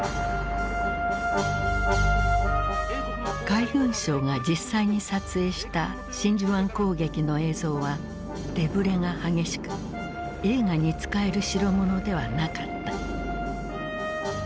海軍省が実際に撮影した真珠湾攻撃の映像は手ぶれが激しく映画に使える代物ではなかった。